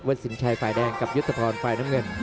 สินชัยฝ่ายแดงกับยุทธพรฝ่ายน้ำเงิน